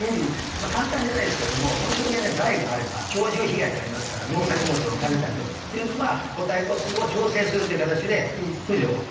簡単じゃないですけども本当に害があれば鳥獣被害ってありますから農作物を食べたりっていうのは個体数を調整するっていう形で駆除はオーケーです。